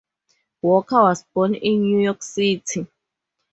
Walker was born in New York City.